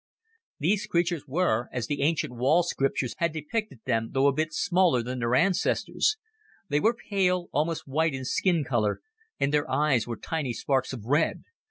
These creatures were as the ancient wall sculptures had depicted them, though a bit smaller than their ancestors. They were pale, almost white in skin color, and their eyes were tiny sparks of red.